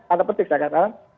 ada petik saya katakan